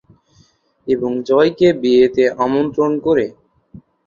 এবং জয়কে বিয়ে তে আমন্ত্রন করে।